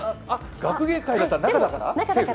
学芸会だったら、中だからセーフ？